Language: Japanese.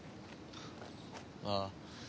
ああ。